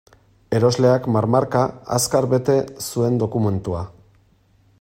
Erosleak marmarka, azkar bete zuen dokumentua.